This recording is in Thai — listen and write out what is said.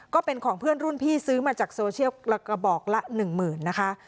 ก็เป็นของเพื่อนรุ่นพี่ซื้อมาจากโซเชียลกระบอกละ๑หมื่นนะคะ